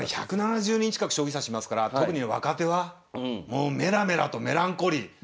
今ね１７０人近く将棋指しいますから特に若手はもうメラメラとメランコリー。